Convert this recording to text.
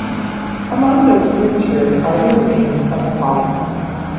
Among those interred are the remains of the following people.